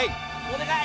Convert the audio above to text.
お願い！